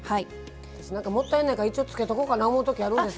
もったいないから一応つけとこうかな思う時あるんです。